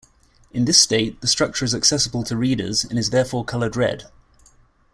In this state, the structure is accessible to readers, and is therefore colored red.